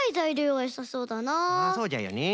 そうじゃよね。